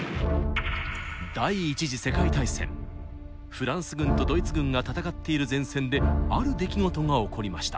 フランス軍とドイツ軍が戦っている前線である出来事が起こりました。